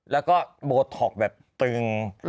แล้วก็โบท็อกแบบตึง